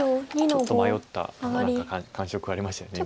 ちょっと迷った感触ありましたよね。